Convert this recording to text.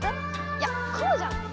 いやこうじゃない？